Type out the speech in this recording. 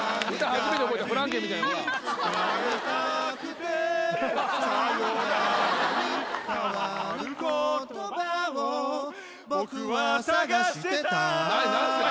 初めて覚えたフランケンみたい何何ですか